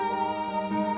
ada kalian tahu